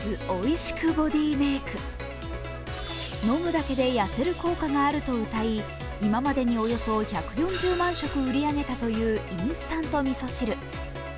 飲むだけで痩せる効果があるとうたい今までにおよそ１４０万食売り上げたというインスタントみそ汁。